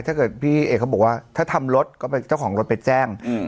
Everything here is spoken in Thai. ถ้าเกิดพี่เอกเขาบอกว่าถ้าทำรถก็เป็นเจ้าของรถไปแจ้ง